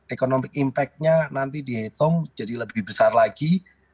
economic impact nya nanti dihitung jadi lebih besar lagi